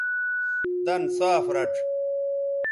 دَن صاف رَڇھ